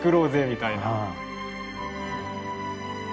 みたいな。